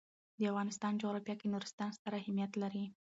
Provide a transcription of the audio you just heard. د افغانستان جغرافیه کې نورستان ستر اهمیت لري.